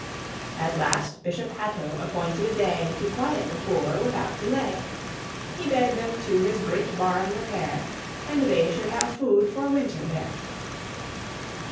At last Bishop Hatto appointed a day To quiet the poor without delay: He bade them to his great barn repair, And they should have food for winter there.